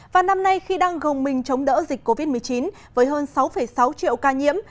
và năm nay khi đang gồng mình chống đỡ dịch covid một mươi chín với hơn sáu sáu triệu ca nhiễm